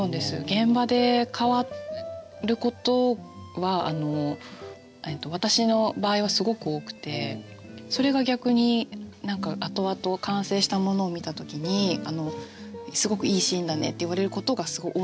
現場で変わることは私の場合はすごく多くてそれが逆に後々完成したものを見た時にすごくいいシーンだねって言われることがすごい多いですね。